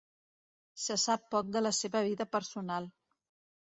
Se sap poc de la seva vida personal.